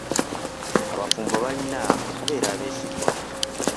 Abafumbo balina okubeera abeesigwa.